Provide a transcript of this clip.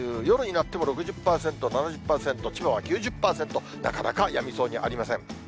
夜になっても６０％、７０％、千葉は９０％、なかなかやみそうにありません。